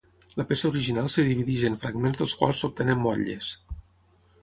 La peça original es divideix en fragments dels quals s'obtenen motlles.